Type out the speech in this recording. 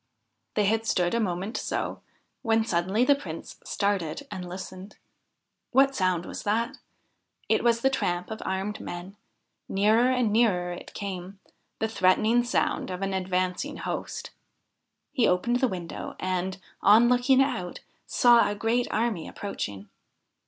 They had stood a moment so, when suddenly the Prince started and listened. What sound was that? It was the tramp of armed men ; nearer and nearer it came the threatening sound of an advancing host. He opened the window, and, on looking out, saw a great army approaching.